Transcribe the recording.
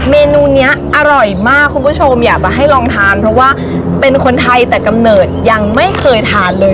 เมนูนี้อร่อยมากคุณผู้ชมอยากจะให้ลองทานเพราะว่าเป็นคนไทยแต่กำเนิดยังไม่เคยทานเลย